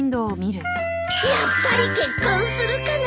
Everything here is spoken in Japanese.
やっぱり結婚するかな。